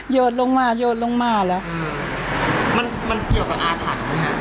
โยดลงมาโยดลงมาแล้วมันเกี่ยวกับอาถรรพ์ไหมฮะ